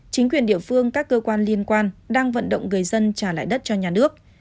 chính quyền địa phương các cơ quan liên quan đang vận động người dân trả lại đất cho nhà nước